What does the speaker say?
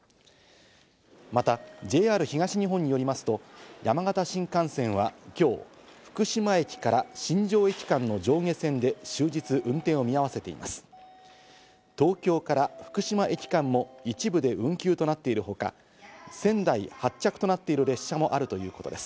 またＪＲ東日本によりますと山形新幹線は今日、福島駅から新庄駅間の上下線で終日運転を見合わせています。